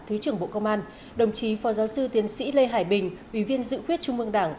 thứ trưởng bộ công an đồng chí phó giáo sư tiến sĩ lê hải bình ủy viên dự khuyết trung mương đảng